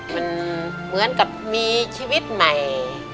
มันเหมือนกับมีชีวิตใหม่